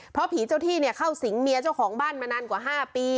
เพราะผีเจ้าที่เข้าสิงเมียเจ้าของบ้านมานานกว่า๕ปี